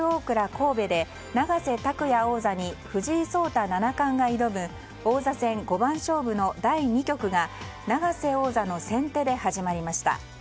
神戸で永瀬拓矢王座に藤井聡太七冠が挑む王座戦五番勝負の第２局が永瀬王座の先手で始まりました。